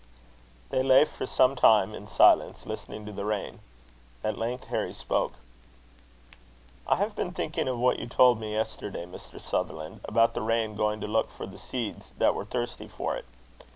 They lay for some time in silence, listening to the rain. At length Harry spoke: "I have been thinking of what you told me yesterday, Mr. Sutherland, about the rain going to look for the seeds that were thirsty for it.